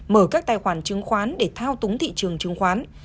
mở các tài khoản chứng khoán để thao túng thị trường chứng khoán